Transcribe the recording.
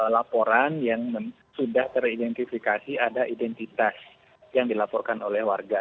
laporan yang sudah teridentifikasi ada identitas yang dilaporkan oleh warga